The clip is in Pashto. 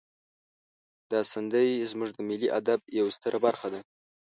دا سندرې زمونږ د ملی ادب یوه ستره برخه ده.